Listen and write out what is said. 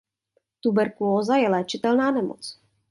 Tuberkulóza je léčitelná nemoc.